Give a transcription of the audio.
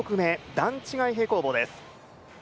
段違い平行棒です。